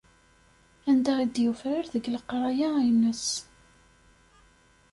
Anda i d-yufrar deg leqraya-ines.